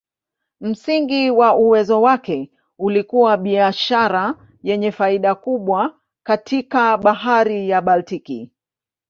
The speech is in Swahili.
Msingi wa uwezo wake ulikuwa biashara yenye faida kubwa katika Bahari ya Baltiki.